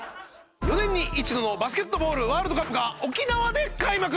４年に一度のバスケットボールワールドカップが沖縄で開幕！